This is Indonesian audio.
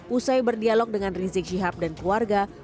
usai berdialog dengan rizik syihab dan keluarga